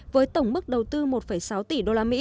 với tổng mức đầu tư một sáu tỷ usd